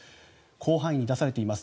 広範囲に出されています。